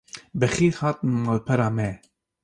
Bi xêr hatin malpera me